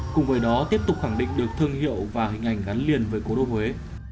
cùng với đó tiếp tục khẳng định được thương hiệu và hình ảnh gắn liền với cổ đô huế